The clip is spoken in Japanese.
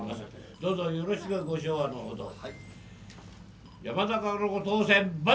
どうぞよろしくご唱和のほどを。